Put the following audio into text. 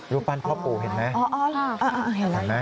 ปั้นพ่อปู่เห็นไหม